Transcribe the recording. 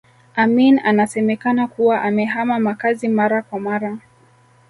Amin anasemekana kuwa amehama makazi mara kwa mara